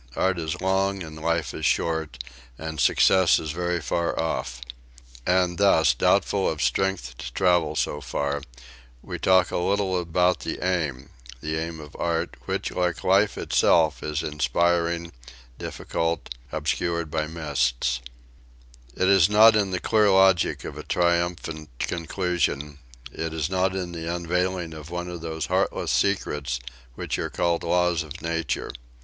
Art is long and life is short, and success is very far off. And thus, doubtful of strength to travel so far, we talk a little about the aim the aim of art, which, like life itself, is inspiring, difficult obscured by mists; it is not in the clear logic of a triumphant conclusion; it is not in the unveiling of one of those heartless secrets which are called the Laws of Nature.